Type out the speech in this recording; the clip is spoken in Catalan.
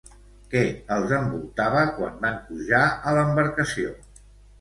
Què els envoltava quan van pujar a l'embarcació?